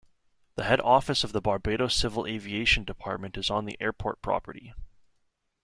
The head office of the Barbados Civil Aviation Department is on the airport property.